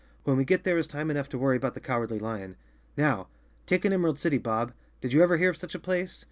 When we get there is time enough to worry about the Cowardly Lion. Now take an Emerald City, Bob; did you ever hear of such a place